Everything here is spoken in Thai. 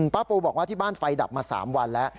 ป้าปูบอกว่าที่บ้านไฟดับมา๓วันแล้ว